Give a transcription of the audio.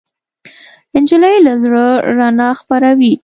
نجلۍ له زړه رڼا خپروي.